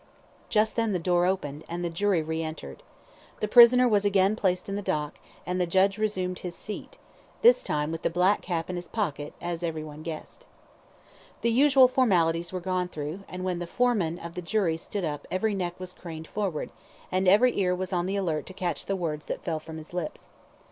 Just then the door opened, and the jury re entered. The prisoner was again placed in the dock, and the judge resumed his seat, this time with the black cap in his pocket, as everyone guessed. The usual formalities were gone through, and when the foreman of the jury stood up every neck was craned forward, and every ear was on the alert to catch the words that fell from his lips.